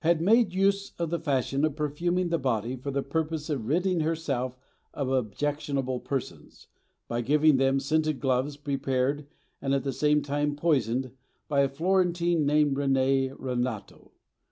had made use of the fashion of perfuming the body for the purpose of ridding herself of objectionable persons, by giving them scented gloves prepared and at the same time poisoned by a Florentine named René (Renato?).